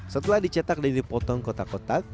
setelah dicetak dan dipotong kotak kotak